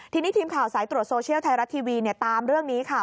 ทีนี้ทีมข่าวสายตรวจโซเชียลไทยรัฐทีวีตามเรื่องนี้ค่ะ